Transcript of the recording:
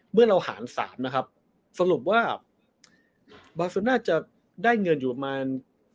เมื่อเราหาร๓นะครับสรุปว่าบาซูน่าจะได้เงินอยู่ประมาณ